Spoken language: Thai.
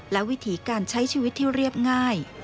และวิถีการใช้ชีวิตที่เรียบง่าย